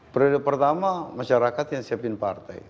periode pertama masyarakat yang siapin partai